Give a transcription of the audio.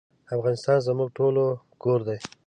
افغانستان زموږ ټولو کور دی